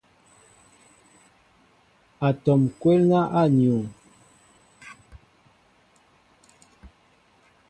Atɔm kwélnɛ a nuu.